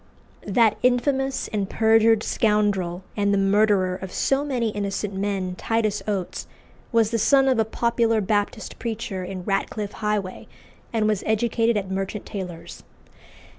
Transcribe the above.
That infamous and perjured scoundrel, and the murderer of so many innocent men, Titus Oates, was the son of a popular Baptist preacher in Ratcliffe Highway, and was educated at Merchant Taylor's.